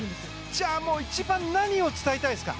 じゃあ、一番この勝負何を伝えたいですか？